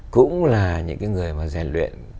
cũng là những người mà rèn luyện